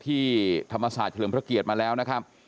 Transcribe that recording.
ธรรมศาสตร์เฉลิมพระเกียรติมาแล้วนะครับ